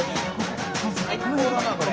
最高だなこれ。